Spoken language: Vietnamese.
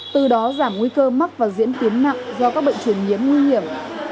từ đó giảm nguy cơ mắc và diễn tiến nặng do các bệnh truyền nhiễm nguy hiểm